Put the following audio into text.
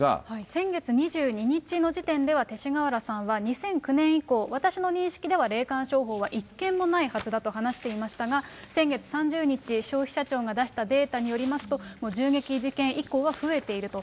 先月２２日の時点では、勅使河原さんは、２００９年以降、私の認識では、霊感商法は１件もないはずだと話していましたが、先月３０日、消費者庁が出したデータによりますと、銃撃事件以降は増えていると。